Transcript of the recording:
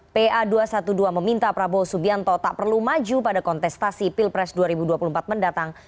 pa dua ratus dua belas meminta prabowo subianto tak perlu maju pada kontestasi pilpres dua ribu dua puluh empat mendatang